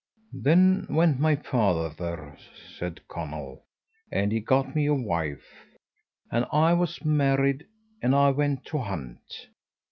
"Then went my father," said Conall, "and he got me a wife, and I was married. I went to hunt.